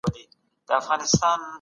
دا زموږ دود دی.